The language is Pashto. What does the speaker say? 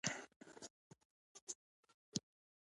نو خپلې موخې ته پرې رسېدلای شئ.